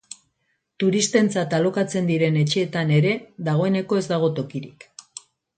Turistentzat alokatzen diren etxeetan ere, dagoeneko ez dago tokirik.